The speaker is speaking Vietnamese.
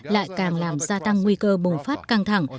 lại càng làm gia tăng nguy cơ bùng phát căng thẳng